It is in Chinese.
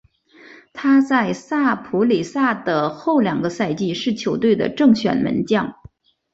他在萨普里萨的后两个赛季是球队的正选门将。